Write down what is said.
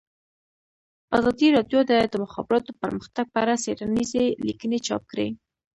ازادي راډیو د د مخابراتو پرمختګ په اړه څېړنیزې لیکنې چاپ کړي.